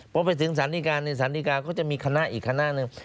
พอไปถึงสารดีการในสารดีกาก็จะมีคณะอีกคณะหนึ่ง